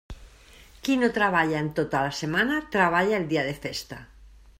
Qui no treballa en tota la setmana, treballa el dia de festa.